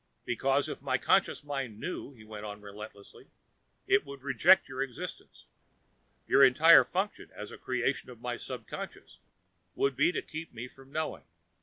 "Because if my conscious mind knew," he went on relentlessly, "it would reject your existence. Your entire function, as a creation of my subconscious, would be to keep me from knowing.